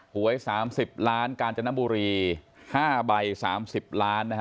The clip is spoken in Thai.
หวย๓๐ล้านกาญจนบุรี๕ใบ๓๐ล้านนะฮะ